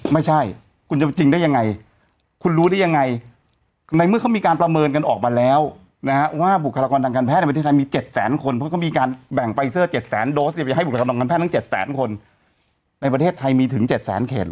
ไม่ใช่คุณจะจริงได้ยังไงคุณรู้ได้ยังไงในเมื่อเขามีการประเมินกันออกมาแล้วนะฮะว่าบุคลากรทางการแพทย์ในประเทศไทยมี๗แสนคนเพราะเขามีการแบ่งไฟเซอร์๗แสนโดสเนี่ยไปให้บุคธนองการแพทย์ทั้ง๗แสนคนในประเทศไทยมีถึง๗แสนเข็น